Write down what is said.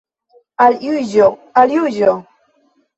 Al Juĝo, al Juĝo!